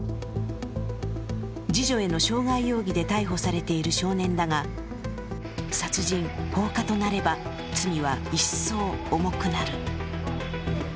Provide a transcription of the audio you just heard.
次女への傷害容疑で逮捕されている少年だが殺人・放火となれば、罪は一層重くなる。